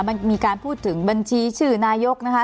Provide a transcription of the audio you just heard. มันมีการพูดถึงบัญชีชื่อนายกนะคะ